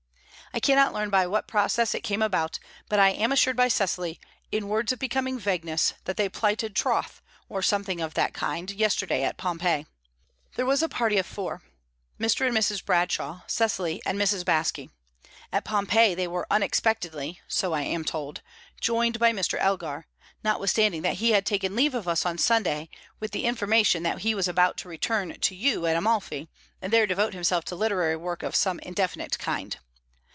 I cannot learn by what process it came about, but I am assured by Cecily, in words of becoming vagueness, that they plighted troth, or some thing of the kind, yesterday at Pompeii. There was a party of four: Mr. and Mrs. Bradshaw, Cecily, and Mrs. Baske. At Pompeii they were unexpectedly (so I am told) joined by Mr. Elgar notwithstanding that he had taken leave of us on Saturday, with the information that he was about to return to you at Amalfi, and there devote himself to literary work of some indefinite kind.